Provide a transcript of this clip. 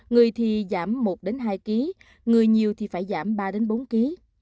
người thì giảm một hai kg người nhiều thì phải giảm ba bốn kg